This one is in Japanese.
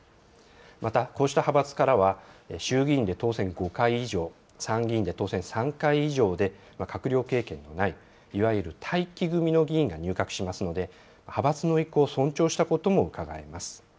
また、こうした派閥からは、衆議院で当選５回以上、参議院で当選３回以上で、閣僚経験のない、いわゆる待機組の議員が入閣しますので、派閥の意向を尊重したこともうかがえます。